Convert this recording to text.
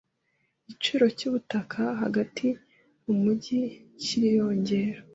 Igiciro cyubutaka hagati mu mujyi kiriyongera.